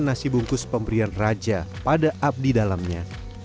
nasi bungkus pemberian raja pada abdi dalamnya